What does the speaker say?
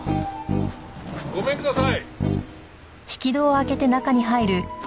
ごめんください。